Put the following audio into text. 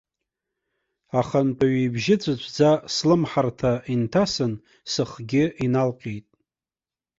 Ахантәаҩы ибжьы ҵәыҵәӡа слымҳарҭа инҭасын, сыхгьы иналҟьеит.